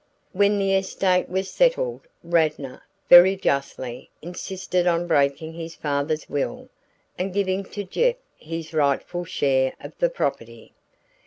When the estate was settled, Radnor, very justly, insisted on breaking his father's will and giving to Jeff his rightful share of the property.